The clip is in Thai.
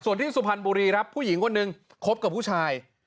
ส่วนที่สุพรรณบุรีครับผู้หญิงคนหนึ่งคบกับผู้ชาย